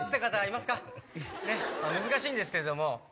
まぁ難しいんですけれども。